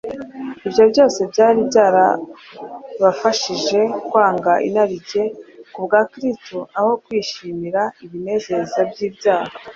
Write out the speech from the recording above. ibyo byose byari byarabafashije kwanga inarijye kubwa Kristo aho kwishimira ibinezeza by’ibyaha.